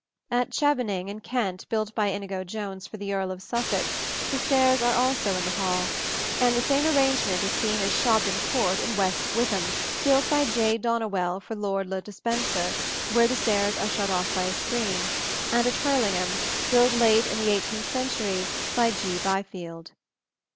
At Chevening, in Kent, built by Inigo Jones for the Earl of Sussex, the stairs are also in the hall; and the same arrangement is seen at Shobden Court, at West Wycombe, built by J. Donowell for Lord le Despencer (where the stairs are shut off by a screen) and at Hurlingham, built late in the eighteenth century by G. Byfield.